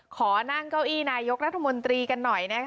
ขอนั่งเก้าอี้นายกรัฐมนตรีกันหน่อย